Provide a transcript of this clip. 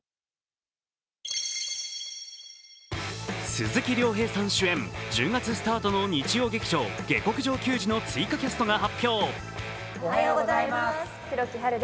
鈴木亮平さん主演１０月スタートの日曜劇場「下剋上球児」の追加キャストが発表。